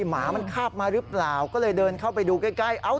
หมามันข้าบมาหรือเปล่าก็เลยเดินเข้าไปดูใกล้